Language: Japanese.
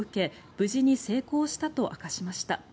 無事に成功したと明かしました。